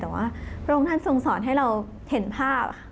แต่ว่าพระองค์ท่านทรงสอนให้เราเห็นภาพ